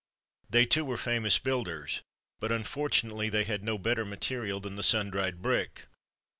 They, too, were famous builders, but, unfortunately, they had no better material than the sun dried brick.